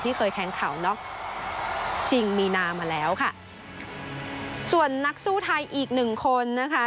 เคยแทงเข่าน็อกชิงมีนามาแล้วค่ะส่วนนักสู้ไทยอีกหนึ่งคนนะคะ